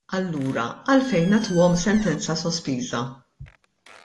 Allura għalfejn nagħtuhom sentenza sospiża?